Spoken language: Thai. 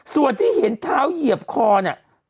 ส่วนที่เห็นเท้าเหยียบคอเนี่ย